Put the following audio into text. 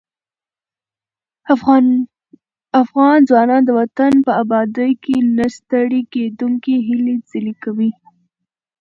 افغان ځوانان د وطن په ابادۍ کې نه ستړي کېدونکي هلې ځلې کوي.